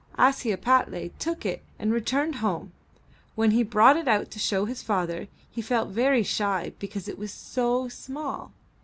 Ashiepattle took it and returned home. When he brought it out to show his father, he felt very shy because it was so small.